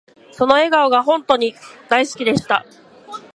その笑顔が本とに大好きでした